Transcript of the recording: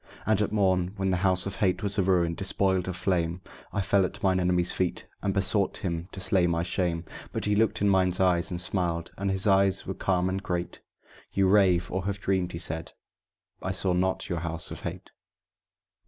And at morn, when the House of Hate was a ruin, despoiled of flame, I fell at mine enemy's feet, and besought him to slay my shame; But he looked in mine eyes and smiled, and his eyes were calm and great: "You rave, or have dreamed," he said; "I saw not your House of Hate."